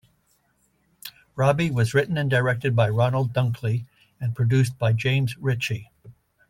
"Robbie" was written and directed by Ronald Dunkley and produced by James Ritchie.